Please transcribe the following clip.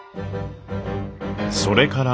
それから２